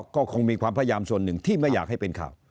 ก็คงมีความพยายามส่วนหนึ่งที่ไม่อยากให้เป็นข่าว